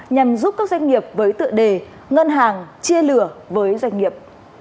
nhằm giúp các doanh nghiệp với tựa đề ngân hàng chia lửa với doanh nghiệp